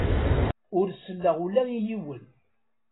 Ur selleɣ ula i yiwen.